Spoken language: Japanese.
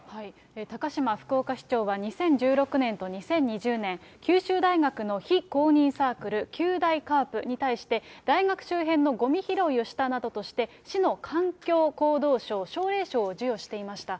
高島福岡市長は、２０１６年と２０２０年、九州大学の非公認サークル、九大カープに対して、大学周辺のごみ拾いをしたなどとして、市の環境行動賞奨励賞を授与していました。